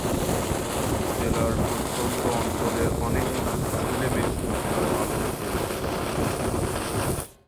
উপজেলার প্রত্যন্ত অঞ্চলের অনেক ছেলেমেয়ে শিক্ষার আলো হতে বঞ্চিত।